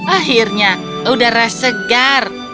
akhirnya udara segar